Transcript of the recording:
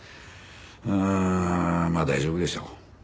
うーんまあ大丈夫でしょう。